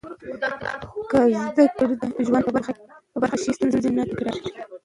که زده کړه د ژوند برخه شي، ستونزې نه تکرارېږي.